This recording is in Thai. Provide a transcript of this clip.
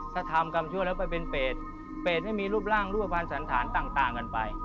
ถ้าทำกรรมชั่วแล้วไปเป็นเปรตเปรตให้มีรูปร่างรูปภัณฑ์สันธารต่างกันไป